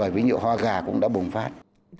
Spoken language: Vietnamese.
ví dụ hoa gà cũng đã bùng phát